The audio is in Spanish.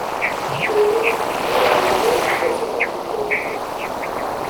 Pepper para agregar un personaje cómico.